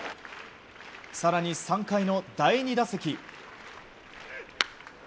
更に３回の第２打席。